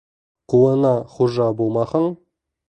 Ҡулыңа хужа булмаһаң...